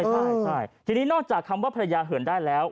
ใช่ทีนี้นอกจากคำว่าภรรยาเหินได้แล้ว